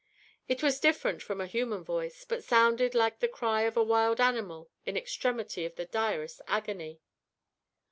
It was different from a human voice, but sounded like the cry of a wild animal in extremity of the direst agony.